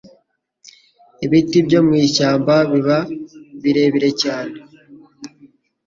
ibiti byo mu ishyama biba birebire cyane